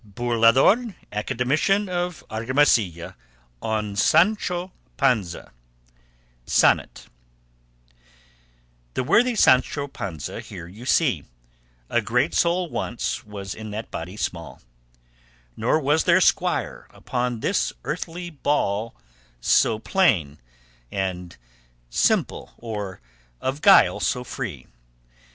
BURLADOR, ACADEMICIAN OF ARGAMASILLA, ON SANCHO PANZA SONNET The worthy Sancho Panza here you see; A great soul once was in that body small, Nor was there squire upon this earthly ball So plain and simple, or of guile so free.